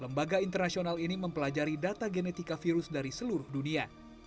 lembaga internasional ini mempelajari data genetika virus dari seluruh dunia